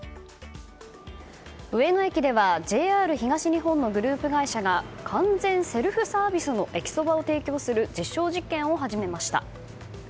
上野駅ではＪＲ東日本のグループ会社が完全セルフサービスの駅そばを提供する実証実験を始めました。